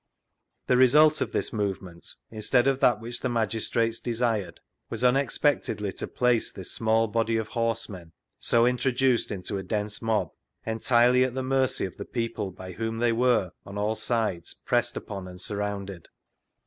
The result of this movement, instead of that which the magistrates desired, was unexpiectedly to place this small body of horsemen (so introduced into a dense mob) entirely at the mercy of the peof^e by whom they were, on all sides, pressed upon and surrounded.